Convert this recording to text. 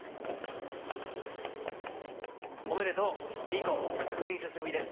おめでとう、リンコ、プリンセス組です。